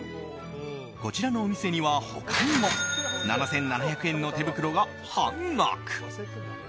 こちらのお店には、他にも７７００円の手袋が半額！